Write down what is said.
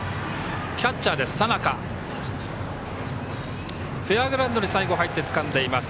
キャッチャー、佐仲フェアグラウンドに最後入ってつかんでいます。